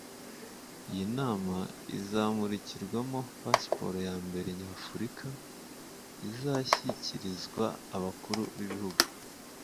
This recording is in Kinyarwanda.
iyi nama ikazamurikirwamo pasiporo ya mbere nyafurika izashyikirizwa abakuru b’ibihugu”